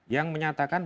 dua yang menyatakan